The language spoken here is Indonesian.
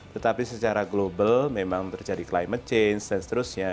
tetapi secara global memang terjadi climate change dan seterusnya